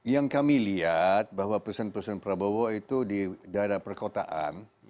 yang kami lihat bahwa pesan pesan prabowo itu di daerah perkotaan